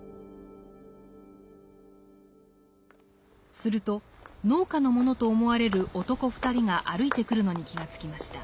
すると農家の者と思われる男２人が歩いてくるのに気が付きました。